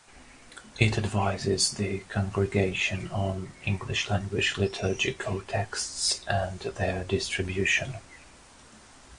It advises the Congregation on English-language liturgical texts and their distribution.